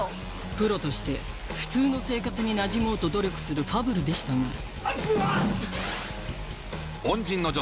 プロとして普通の生活になじもうと努力するファブルでしたが熱っ熱っつ！